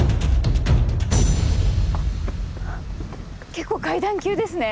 結構階段急ですね。